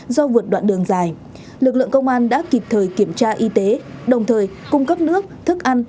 do vượt đoạn đường dài lực lượng công an đã kịp thời kiểm tra y tế đồng thời cung cấp nước thức ăn